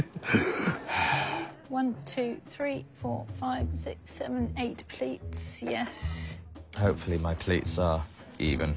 はい。